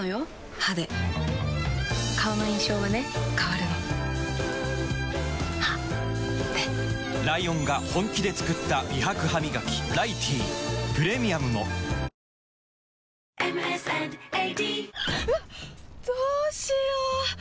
歯で顔の印象はね変わるの歯でライオンが本気で作った美白ハミガキ「ライティー」プレミアムも「システマ」